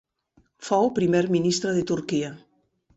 Fou Primer Ministre de Turquia.